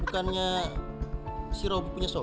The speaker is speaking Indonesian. bukannya si rob punya sor